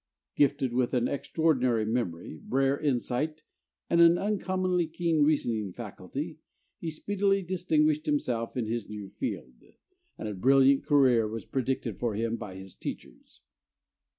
Gifted with an extraordinary memory, rare insight, and an uncommonly keen reasoning faculty, he speedily distinguished himself in his new field, and a brilliant career was predicted for him by his teachers.